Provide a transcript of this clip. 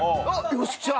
よっしゃあ！